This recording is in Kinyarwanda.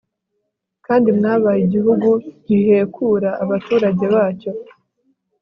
kandi mwabaye igihugu gihekura abaturage bacyo